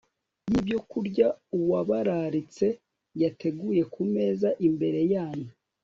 yibyokurya uwabararitse yateguye ku meza imbere yanyu